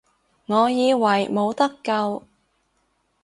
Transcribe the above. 我以為冇得救